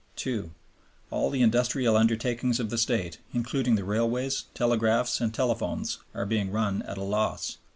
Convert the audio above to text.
(2) All the industrial undertakings of the State, including the railways, telegraphs, and telephones, are being run at a loss.